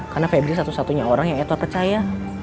karena feb dia satu satunya orang yang edward percaya